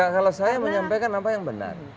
kalau saya menyampaikan apa yang benar